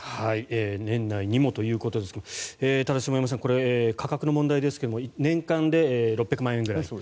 年内にもということですがただ、下山さん価格の問題ですが年間で６００万円ぐらい。